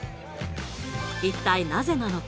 一体なぜなのか。